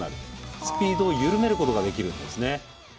スピードを緩めることができるんですね。